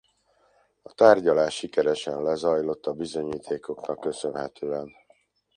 A tárgyalás sikeresen lezajlott a bizonyítékoknak köszönhetően.